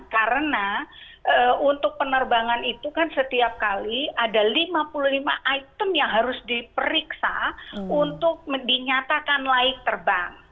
karena untuk penerbangan itu kan setiap kali ada lima puluh lima item yang harus diperiksa untuk dinyatakan layak terbang